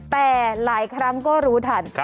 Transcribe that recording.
แต่หลายครั้งก็รู้ทัน